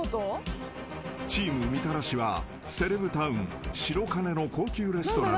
［チームみたらしはセレブタウン白金の高級レストランにいた］